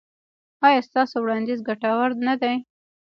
ایا ستاسو وړاندیز ګټور نه دی؟